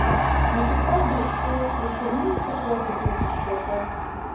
Написал бы ещё, да чернильница куда-то вдруг исчезла.